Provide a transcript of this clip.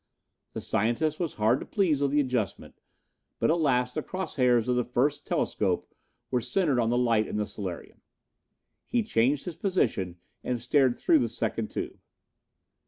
The scientist was hard to please with the adjustment, but at last the cross hairs of the first telescope were centered on the light in the solarium. He changed his position and stared through the second tube.